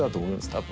多分。